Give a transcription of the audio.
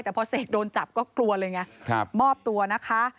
แต่พอเสกโดนจับก็กลัวเลยไงมอบตัวนะคะ